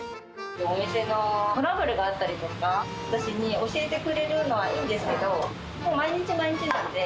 お店のトラブルがあったりとか、私に教えてくれるのはいいんですけど、もう毎日毎日なんで。